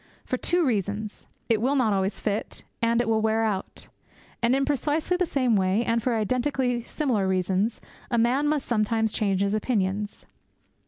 For two reasons. It will not always fit, and it will wear out. And, in precisely the same way, and for identically similar reasons, a man must sometimes change his opinions.